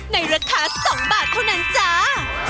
ในราคา๒บาทเท่านั้นจ้า